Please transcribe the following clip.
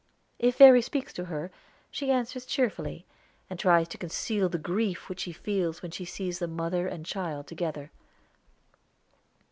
If Verry speaks to her, she answers cheerfully, and tries to conceal the grief which she feels when she sees the mother and child together.